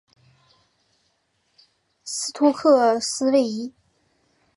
斯托克斯位移。